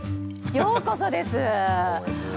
ようこそです。